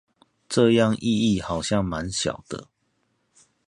這樣意義好像滿小的